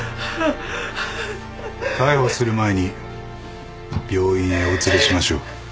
逮捕する前に病院へお連れしましょう。